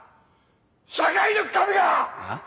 社会のゴミが！あっ？